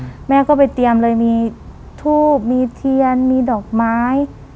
แม่ก็ไปเตรียมเลยมีทูบมีเทียนมีดอกไม้